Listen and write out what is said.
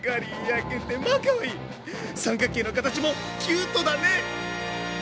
三角形の形もキュートだね！